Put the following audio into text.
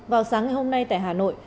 vào sáng ngày hôm nay tại hà nội